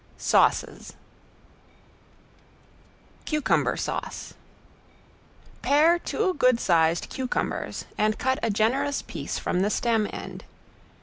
SAUCES ~CUCUMBER SAUCE~ Pare two good sized cucumbers and cut a generous piece from the stem end.